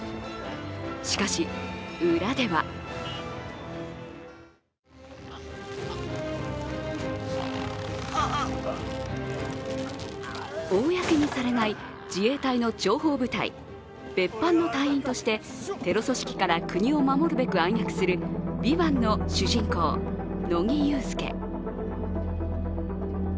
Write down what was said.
しかし裏では公にされない自衛隊の諜報部隊・別班の隊員としてテロ組織から国を守るべく暗躍する「ＶＩＶＡＮＴ」の主人公・乃木憂助。